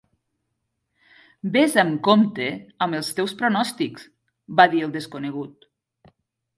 "Ves amb compte amb els teus pronòstics", va dir el desconegut.